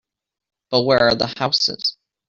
But where are the houses?